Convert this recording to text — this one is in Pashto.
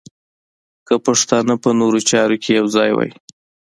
که پښتانه په نورو چارو کې یو ځای وای.